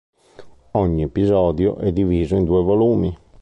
Ogni episodio è diviso in due volumi.